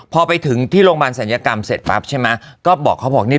พอไปถึงที่โรงพยาบาลศัลยกรรมเสร็จปั๊บใช่ไหมก็บอกเขาบอกนี่